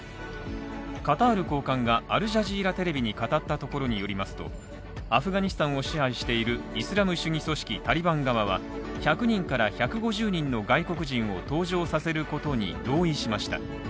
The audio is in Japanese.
カタール高官がアルジャジーラテレビに語ったところによりますとアフガニスタンを支配しているイスラム主義組織タリバン側は１００人から１５０人の外国人を搭乗させることに同意しました